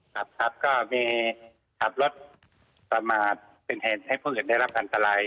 ครับครับก็มีขับรถประมาทเป็นเหตุให้ผู้อื่นได้รับอันตราย